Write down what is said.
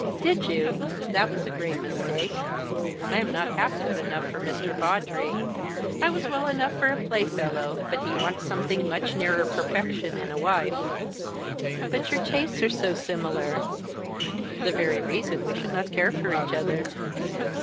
"Did you? That was a great mistake. I am not half good enough for Mr. Vawdrey. I was well enough for a playfellow, but he wants something much nearer perfection in a wife." "But your tastes are so similar." "The very reason we should not care for each other."